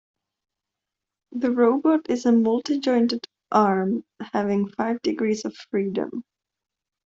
The robot is a multi-jointed arm, having five degrees of freedom.